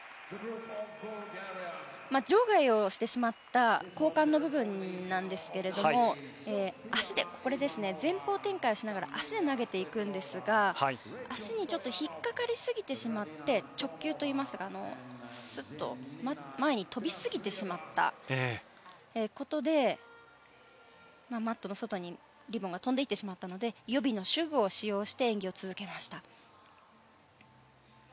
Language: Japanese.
場外をしてしまった交換の部分なんですが前方転回をしながら足で投げていくんですが足に引っかかりすぎてしまって直球といいますがスッと前に飛びすぎてしまったことでマットの外にリボンが飛んでいってしまったので予備の手具を使用して演技を続けました。